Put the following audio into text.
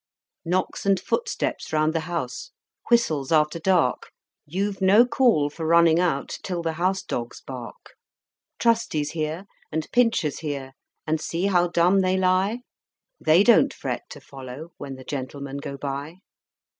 Knocks and footsteps round the house, whistles after dark, You've no call for running out till the house dogs bark. Trusty's here, and Pincher's here, and see how dumb they lie, They don't fret to follow when the Gentlemen go by!